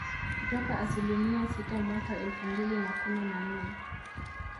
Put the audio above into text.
kutoka asilimia sita mwaka elfu mbili na kumi na nne